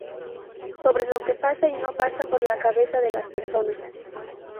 Sobre lo que pasa y no pasa por la cabeza de las personas.